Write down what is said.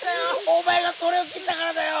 おまえが「それ」をきったからだよ。